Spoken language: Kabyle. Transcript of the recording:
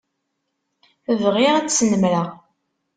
Bɣiɣ ad tt-snemmreɣ.